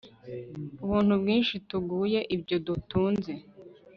ubuntu bwinshi, tugutuye ibyo dutunze